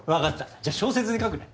じゃあ小説に書くね。